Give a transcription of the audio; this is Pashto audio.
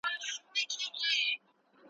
په نصیب یې وي مېلې د جنتونو `